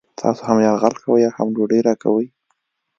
تاسې هم یرغل کوئ او هم ډوډۍ راکوئ